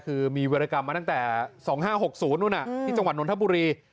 คือมีวิรกรรมมาตั้งแต่๒๕๖๐นู่นที่จังหวัดนทบุรี